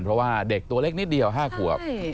เพราะว่าเด็กตัวเล็กนิดเดียว๕ขวบ